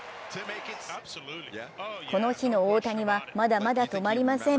この日の大谷はまだまだ止まりません。